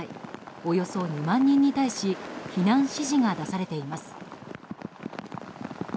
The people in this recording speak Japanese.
およそ２万人に対し避難指示が出されています。